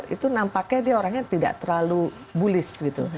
itu nampaknya dia orangnya tidak terlalu bullis gitu